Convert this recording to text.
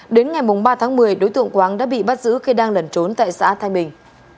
đến ngày ba tháng một mươi đối tượng quang đã bị bắt giữ khi đang lẩn trốn tại xã thanh bình